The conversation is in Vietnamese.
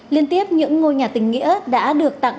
liên tiếp những ngôi nhà tình nghĩa đã được tặng